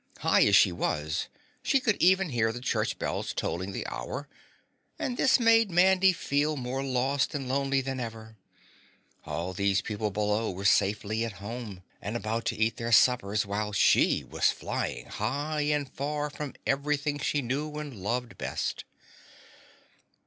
High as she was, she could even hear the church bells tolling the hour, and this made Mandy feel more lost and lonely than ever. All these people below were safely at home and about to eat their suppers while she was flying high and far from everything she knew and loved best.